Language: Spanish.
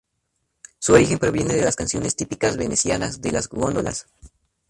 Su origen proviene de las canciones típicas venecianas de las góndolas